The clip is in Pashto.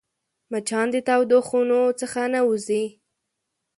مچان د تودو خونو څخه نه وځي